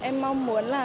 em mong muốn là